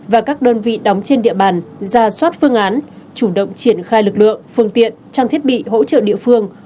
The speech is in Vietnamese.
và các đơn vị đóng trên địa bàn ra soát phương án chủ động triển khai lực lượng phương tiện trang thiết bị hỗ trợ địa phương